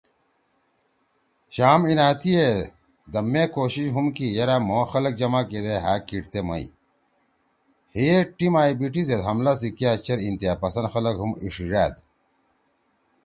یام اینأتیِے دا مے کوشش ہُم کی یرأ مھو خلگ جمع کیدے ہأ کیِٹ تے مَئی۔ ہئے ٹیم ائی بی ٹی زید حملہ سی کیا چیر انتہا پسند خلگ ہُم ایِشیِژأد۔